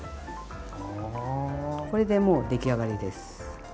これでもうできあがりです。